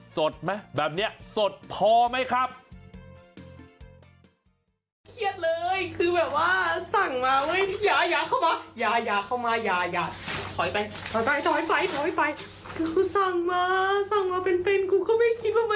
สดไหมแบบนี้สดพอไหมครับ